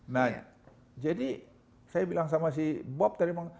nah jadi saya bilang sama si bob tadi bang